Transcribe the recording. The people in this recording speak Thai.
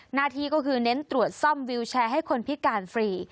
หน้าที่ก็คือเน้นตรวจซ่อมวิวแชร์ให้คนพิการฟรี